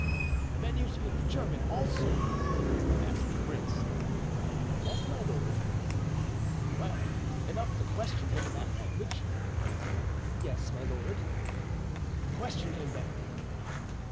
"Then you speak German, also?" asked the prince. "Yes, my lord." "Well enough to question him in that language?" "Yes, my lord." "Question him, then."